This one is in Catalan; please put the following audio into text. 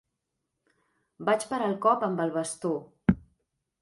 Vaig parar el cop amb el bastó.